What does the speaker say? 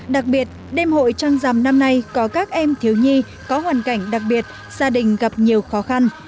đặc biệt đêm hội trăng rằm năm nay có các em thiếu nhi có hoàn cảnh đặc biệt gia đình gặp nhiều khó khăn